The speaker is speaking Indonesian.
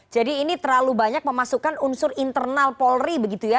jadi ini terlalu banyak memasukkan unsur internal polri begitu ya